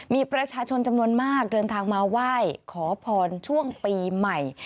มีประชาชนจำนวนมากเดินทางมาไหว้ขอพรช่วงปีใหม่